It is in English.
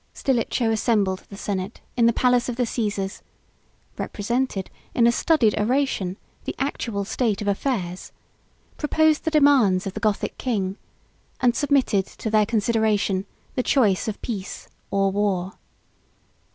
Stilicho assembled the senate in the palace of the Caesars; represented, in a studied oration, the actual state of affairs; proposed the demands of the Gothic king, and submitted to their consideration the choice of peace or war.